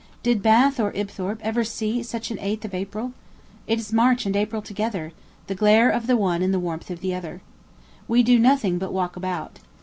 Did Bath or Ibthorp ever see such an 8th of April? It is March and April together; the glare of the one and the warmth of the other. We do nothing but walk about.